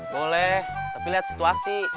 boleh tapi lihat situasi